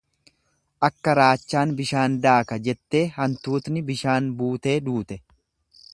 Akka raachaan bishaan daaka, jettee hantuutni bishaan buutee duute.